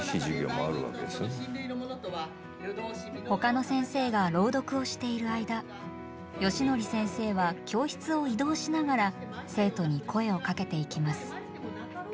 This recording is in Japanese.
ほかの先生が朗読をしている間よしのり先生は教室を移動しながら生徒に声をかけていきます。